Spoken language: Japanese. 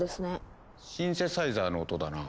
シンセサイザーの音だな。